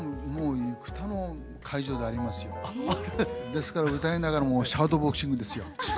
ですから歌いながらもうシャドーボクシングですよ。